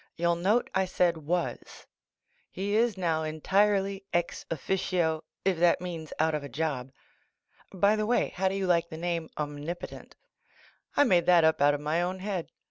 You'll nate I said "was " He is noM entirely ex~officio if that means out of a job. By the way. how do you like the name, "Omnipotent?" I made that up out of my own head.